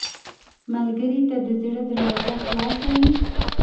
ملګری ته د زړه دروازه خلاصه وي